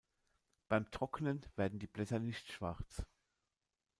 Beim Trocknen werden die Blätter nicht schwarz.